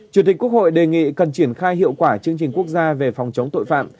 chủ tịch quốc hội đề nghị cần triển khai hiệu quả chương trình quốc gia về phòng chống tội phạm